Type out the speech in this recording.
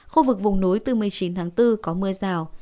khu vực vùng núi từ một mươi chín tháng bốn có mưa rào